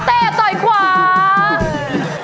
โดยเชียร์มวยไทยรัฐมาแล้ว